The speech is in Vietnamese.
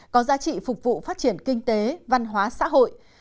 có giá trị phục vụ phát triển kinh tế văn hóa xã hội